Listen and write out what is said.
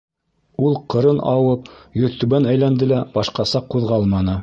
Ул, ҡырын ауып, йөҙтүбән әйләнде лә башҡаса ҡуҙғалманы.